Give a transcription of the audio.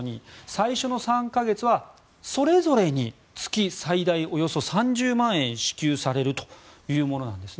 最初の３か月はそれぞれに月最大およそ３０万円支給されるというものなんです。